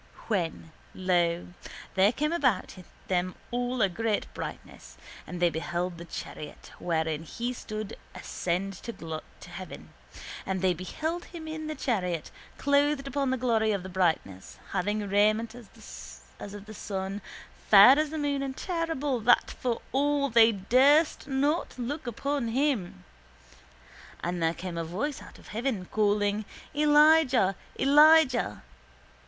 When, lo, there came about them all a great brightness and they beheld the chariot wherein He stood ascend to heaven. And they beheld Him in the chariot, clothed upon in the glory of the brightness, having raiment as of the sun, fair as the moon and terrible that for awe they durst not look upon Him. And there came a voice out of heaven, calling: _Elijah! Elijah!